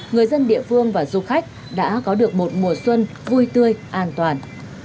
người dân địa phương và du khách đã có được một mùa xuân vui tươi an toàn